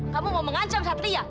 kamu mau mengancam satria